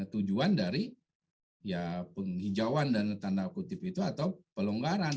tujuan dari ya penghijauan dan tanda kutip itu atau pelonggaran